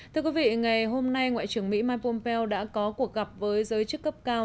thưa quý vị ngày hôm nay ngoại trưởng mỹ mike pompeo đã có cuộc gặp với giới chức cấp cao